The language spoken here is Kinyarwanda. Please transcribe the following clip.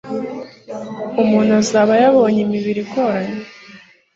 umuntu azaba yabonye imibiri igoramye